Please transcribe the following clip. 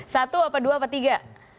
satu dua atau tiga